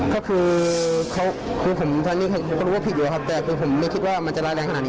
เขาคุกกับเราว่านี่แล้วว่าก็ถึงทำกับเรา